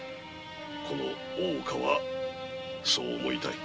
この大岡はそう思いたい。